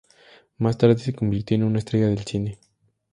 Más tarde se convirtió en una estrella del cine.